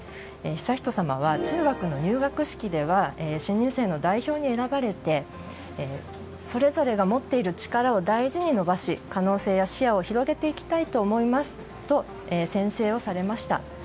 悠仁さまは中学の入学式では新入生の代表に選ばれてそれぞれが持っている力を大事に伸ばし可能性や視野を広げていきたいと思いますと宣誓をされました。